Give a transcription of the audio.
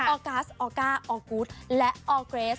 ออร์กัสออร์กาออร์กูธและออร์เกรส